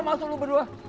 apa maksud lo berdua